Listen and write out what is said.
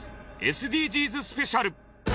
ＳＤＧｓスペシャル。